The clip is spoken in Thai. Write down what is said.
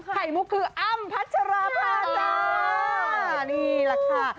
ไข่มุกคืออ้ำพัชราภาจ้านี่แหละค่ะ